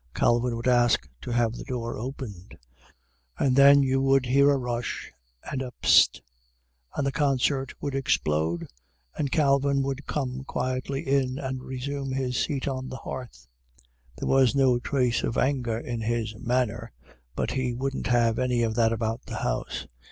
Calvin would ask to have the door opened, and then you would hear a rush and a "pestzt," and the concert would explode, and Calvin would quietly come in and resume his seat on the hearth. There was no trace of anger in his manner, but he wouldn't have any of that about the house.